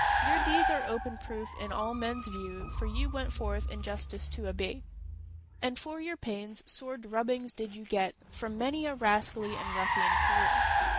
Your deeds are open proof in all men's view; For you went forth injustice to abate, And for your pains sore drubbings did you get From many a rascally and ruffian crew.